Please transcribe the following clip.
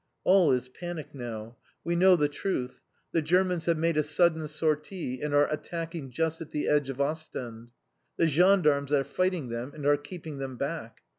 All is panic now. We know the truth. The Germans have made a sudden sortie, and are attacking just at the edge of Ostend. The gendarmes are fighting them, and are keeping them back.